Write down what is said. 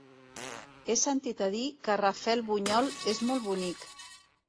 He sentit a dir que Rafelbunyol és molt bonic.